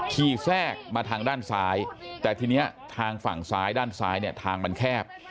แทรกมาทางด้านซ้ายแต่ทีนี้ทางฝั่งซ้ายด้านซ้ายเนี่ยทางมันแคบ